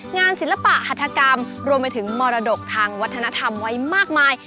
ศิลปะหัฐกรรมรวมไปถึงมรดกทางวัฒนธรรมไว้มากมาย